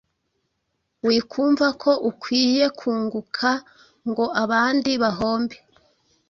wikumva ko ukwiye kunguka ngo abandi bahombe